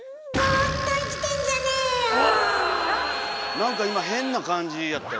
何か今変な感じやったよ？